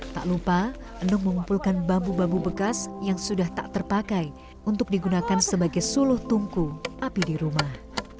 tak lupa enung mengumpulkan bambu bambu bekas yang sudah tak terpakai untuk digunakan sebagai suluh tungku api di rumah